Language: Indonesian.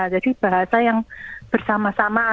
jadi bahasa yang bersama sama